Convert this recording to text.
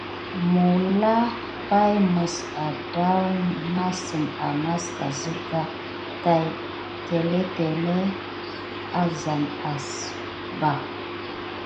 Məwlak pak mes addawnasəmeska, zəga taï mélékéténe azam aské mɓa.